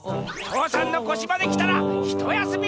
父山のこしまできたらひとやすみ！